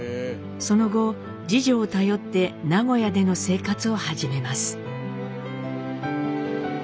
その後次女を頼って名古屋での生活を始めます。